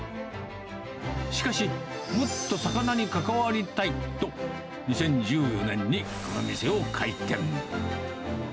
しかし、もっと魚に関わりたいと、２０１４年にこの店を開店。